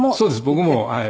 僕もはい。